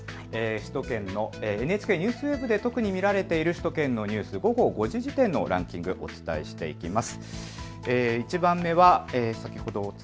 首都圏のＮＨＫＮＥＷＳＷＥＢで特に見られている首都圏のニュース午後５時時点のランキングをお伝えしていきます。